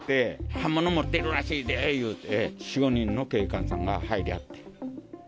刃物持ってるらしいでって言って、４、５人の警官さんが入りはって。